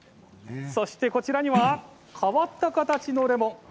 そして、こちらには変わった形のレモン。